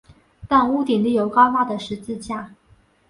但屋顶立有高大的十字架。